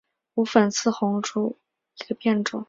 无粉刺红珠为小檗科小檗属下的一个变种。